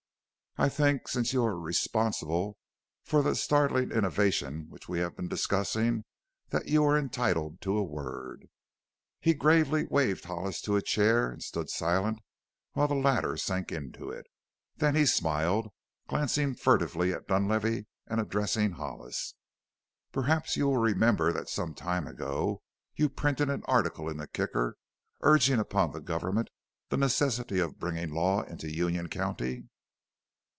"I think, since you are responsible for the startling innovation which we have been discussing, that you are entitled to a word." He gravely waved Hollis to a chair and stood silent while the latter sank into it. Then he smiled, glancing furtively at Dunlavey and addressing Hollis. "Perhaps you will remember that some time ago you printed an article in the Kicker urging upon the Government the necessity of bringing the law into Union County?"